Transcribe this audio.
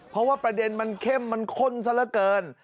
เพราะว่าประเด็นมันเข้มมันข้นซะละเกิน